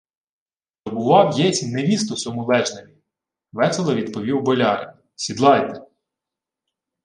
— Добував єсмь невісту сьому лежневі! — весело відповів болярин. — Сідлайте!